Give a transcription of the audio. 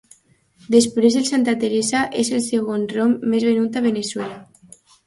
Després del Santa Teresa, és el segon rom més venut a Veneçuela.